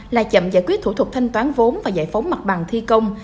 là chậm giải quyết thủ tục thanh toán vốn và giải phóng mặt bằng thi công